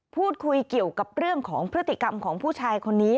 พูดคุยเกี่ยวกับเรื่องของพฤติกรรมของผู้ชายคนนี้